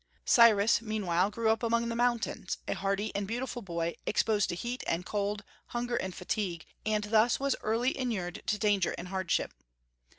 Cyrus meanwhile grew up among the mountains, a hardy and beautiful boy, exposed to heat and cold, hunger and fatigue, and thus was early inured to danger and hardship.